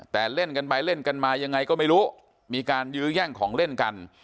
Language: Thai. แต่เล่นกันไปเล่นกันมายังไงก็ไม่รู้มีการยื้อแย่งของเล่นกัน